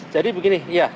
jadi begini ya